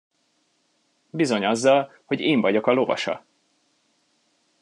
Bizony azzal, hogy én vagyok a lovasa!